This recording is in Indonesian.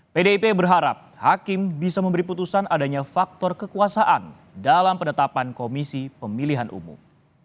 pdip berharap hakim bisa memberi putusan adanya faktor kekuasaan dalam penetapan komisi pemilihan umum